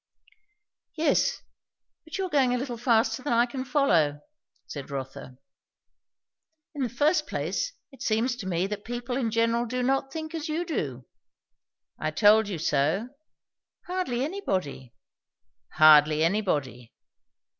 "Yes, but you are going a little faster than I can follow," said Rotha. "In the first place, it seems to me that people in general do not think as you do." "I told you so." "Hardly anybody." "Hardly anybody!"